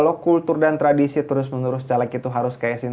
jadi kalo kultur dan tradisi terus menerus caleg itu harus diketahui gitu kan